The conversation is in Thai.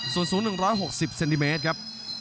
ส่วนสูง๑๖๐เซนติเมตรครับ